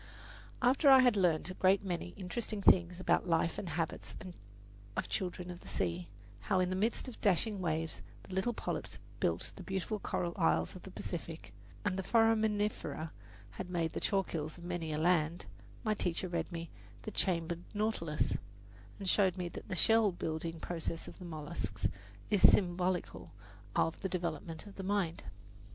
After I had learned a great many interesting things about the life and habits of the children of the sea how in the midst of dashing waves the little polyps build the beautiful coral isles of the Pacific, and the foraminifera have made the chalk hills of many a land my teacher read me "The Chambered Nautilus," and showed me that the shell building process of the mollusks is symbolical of the development of the mind.